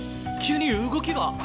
急に動きが。